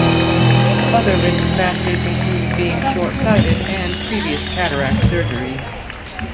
Other risk factors include being short sighted and previous cataract surgery.